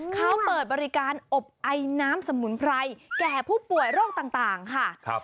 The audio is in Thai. เขาเปิดบริการอบไอน้ำสมุนไพรแก่ผู้ป่วยโรคต่างค่ะ